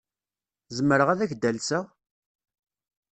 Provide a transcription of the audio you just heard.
Zemreɣ ad ak-d-alseɣ?